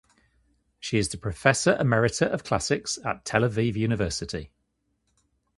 She is the professor emerita of Classics at Tel Aviv University.